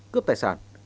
cướp tài xản